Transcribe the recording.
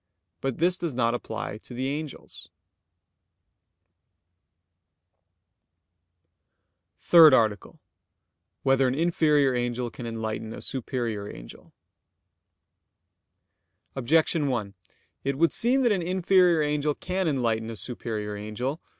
But this does not apply to the angels. _______________________ THIRD ARTICLE [I, Q. 106, Art. 3] Whether an Inferior Angel Can Enlighten a Superior Angel? Objection 1: It would seem that an inferior angel can enlighten a superior angel.